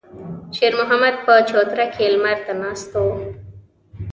شېرمحمد په چوتره کې لمر ته ناست و.